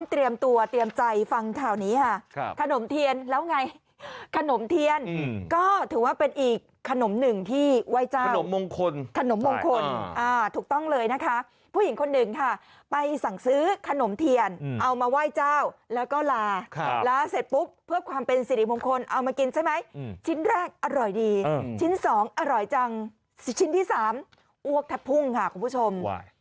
เตรียมตัวเตรียมใจฟังข่าวนี้ค่ะขนมเทียนแล้วไงขนมเทียนก็ถือว่าเป็นอีกขนมหนึ่งที่ไหว้เจ้าขนมมงคลขนมมงคลถูกต้องเลยนะคะผู้หญิงคนหนึ่งค่ะไปสั่งซื้อขนมเทียนเอามาไหว้เจ้าแล้วก็ลาลาเสร็จปุ๊บเพื่อความเป็นสิริมงคลเอามากินใช่ไหมชิ้นแรกอร่อยดีชิ้นสองอร่อยจังชิ้นที่สามอ้วกแทบพุ่งค่ะคุณผู้ชม